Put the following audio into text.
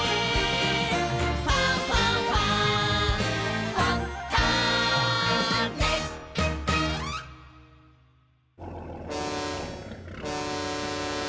「ファンファンファン」ボボ！